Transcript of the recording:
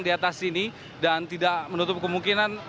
di atas sini dan tidak menutup kemungkinan